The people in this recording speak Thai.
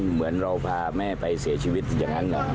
เหมือนเราพาแม่ไปเสียชีวิตอย่างนั้นเหรอครับ